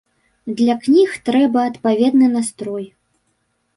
Для кніг трэба адпаведны настрой.